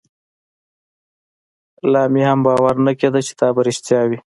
لا مې هم باور نه کېده چې دا به رښتيا وي.